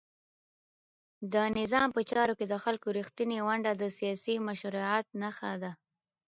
د نظام په چارو کې د خلکو رښتینې ونډه د سیاسي مشروعیت نښه ده.